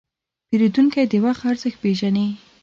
پیرودونکی د وخت ارزښت پېژني.